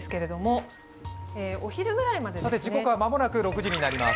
時刻は間もなく６時になります。